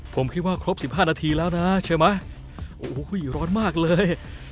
ผมคิดว่าครบสิบห้านาทีแล้วนะใช่ไหมโอ้โหร้อนมากเลย